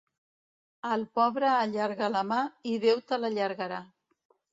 Al pobre allarga la mà i Déu te l'allargarà.